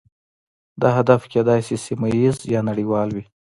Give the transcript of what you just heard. دا هدف کیدای شي سیمه ایز یا نړیوال وي